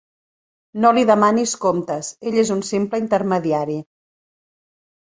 No li demanis comptes: ell és un simple intermediari.